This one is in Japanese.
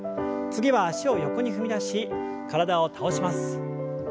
次は脚を横に踏み出し体を倒します。